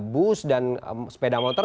bus dan sepeda motor